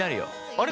あれ？